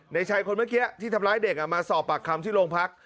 ในชายคนเมื่อกี้ที่ทำร้ายเด็กมาสอบปากคำที่โรงพัก